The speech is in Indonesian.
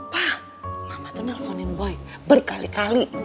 pa mama tuh nelfonin boy berkali kali